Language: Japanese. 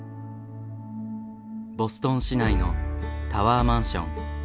ボストン市内のタワーマンション。